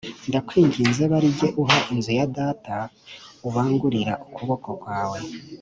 Ndakwinginze ba ari jye uha inzu ya data, ubangurira ukuboko kwawe